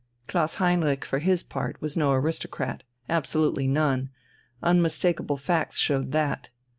Klaus Heinrich for his part was no aristocrat, absolutely none, unmistakable facts showed that.